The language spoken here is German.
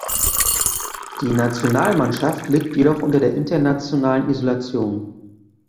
Die Nationalmannschaft litt jedoch unter der internationalen Isolation.